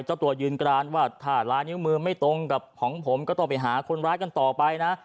เจ้าตัวยืนกรานว่าถ้าลายนิ้วมือไม่ตรงกับของผมก็ต้องไปหาคนร้ายกันต่อไปนะ